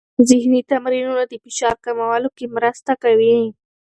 ذهني تمرینونه د فشار کمولو کې مرسته کوي.